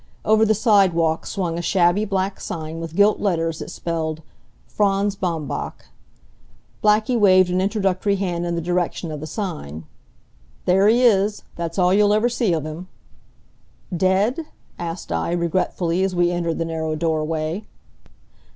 Over the sidewalk swung a shabby black sign with gilt letters that spelled, "Franz Baumbach." Blackie waved an introductory hand in the direction of the sign. "There he is. That's all you'll ever see of him." "Dead?" asked I, regretfully, as we entered the narrow doorway.